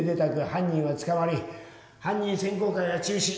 犯人は捕まり犯人選考会は中止。